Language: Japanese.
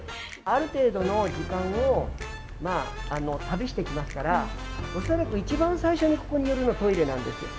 ある程度の時間を旅してきますから恐らく一番最初に、ここに寄るのトイレなんですよ。